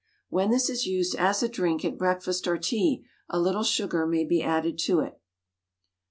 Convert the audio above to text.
When this is used as a drink at breakfast or tea, a little sugar may be added to it.